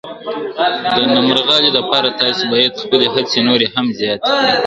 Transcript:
د نرمغالي دپاره تاسي باید خپلي هڅې نوري هم زیاتي کړئ.